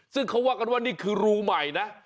ซึ่งเขาว่ากันว่านี่คือรูใหม่นะ